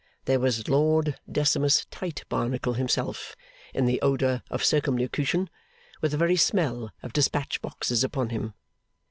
There was Lord Decimus Tite Barnacle himself, in the odour of Circumlocution with the very smell of Despatch Boxes upon him.